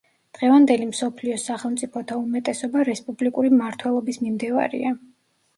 დღევანდელი მსოფლიოს სახელმწიფოთა უმეტესობა რესპუბლიკური მმართველობის მიმდევარია.